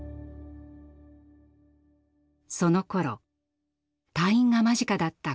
そのころ退院が間近だった